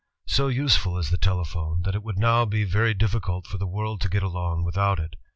So useful is the telephone, that it would now be very difficult for the world to get along without it.